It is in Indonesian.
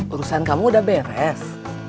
urusan kamu udah beres